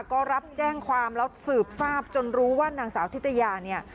ก็รับแจ้งความแล้วสืบทราบจนรู้ว่านางสาวทิตยาเนี่ย